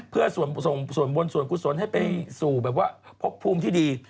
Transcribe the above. เพื่อส่งส่วนบนส่วนกุศลให้ไปสู่แบบว่าพบภูมิที่ดี